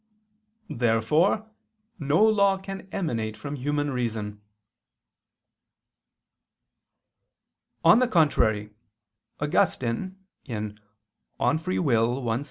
Therefore no law can emanate from human reason. On the contrary, Augustine (De Lib. Arb.